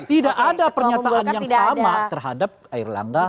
tidak ada pernyataan yang sama terhadap irlanda